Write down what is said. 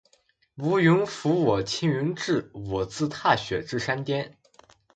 无人扶我青云志，我自踏雪至山巅。